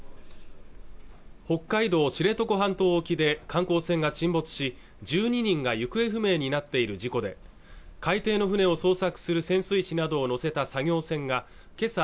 北海道知床半島沖で観光船が沈没し１２人が行方不明になっている事故で海底の船を捜索する潜水士などを乗せた作業船がけさ